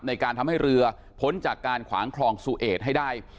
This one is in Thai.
ในการทำให้เรือพ้นจากการขวางคลองซูเอดให้ได้